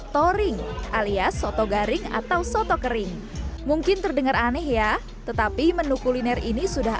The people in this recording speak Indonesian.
toring alias soto garing atau soto kering mungkin terdengar aneh ya tetapi menu kuliner ini sudah